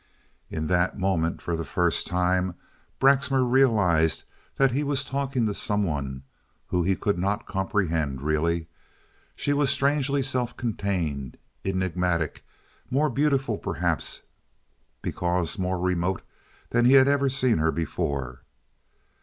In that moment, for the first time, Braxmar realized that he was talking to some one whom he could not comprehend really. She was strangely self contained, enigmatic, more beautiful perhaps because more remote than he had ever seen her before.